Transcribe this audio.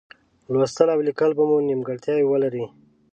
لوستل او لیکل به مو نیمګړتیاوې ولري.